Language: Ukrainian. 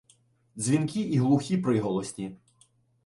Дзвінкі і глухі приголосні